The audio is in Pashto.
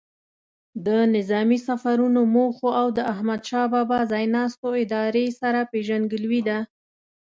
د نظامي سفرونو موخو او د احمدشاه بابا ځای ناستو ادارې سره پیژندګلوي ده.